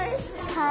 はい。